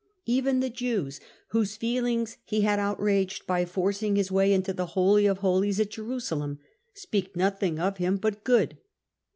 Even the Jews, whose feelings he had outraged by forcing his way into the Holy of Holies at Jerusalem, speak nothing of him but good.